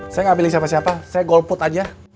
saya gak milih siapa siapa saya golput aja